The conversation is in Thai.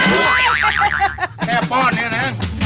แค่ป้อนเนี่ยนะ